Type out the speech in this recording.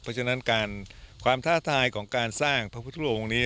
เพราะฉะนั้นการความท้าทายของการสร้างพระพุทธรูปองค์นี้